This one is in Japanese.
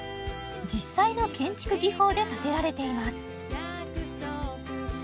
実際の建築技法で建てられています